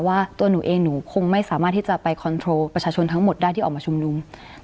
ว่าตัวหนูเองหนูคงไม่สามารถที่จะไปคอนโทรลประชาชนทั้งหมดได้ที่ออกมาชุมนุม